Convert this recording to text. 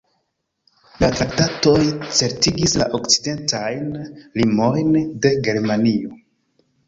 La traktatoj certigis la okcidentajn limojn de Germanio.